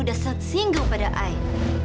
udah set single pada ayah